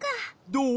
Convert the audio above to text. どう？